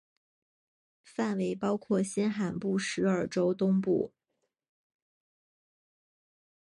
范围包括新罕布什尔州东部。